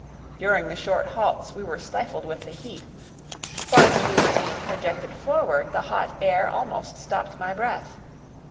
During the short halts we were stifled with the heat; whilst we were being projected forward the hot air almost stopped my breath.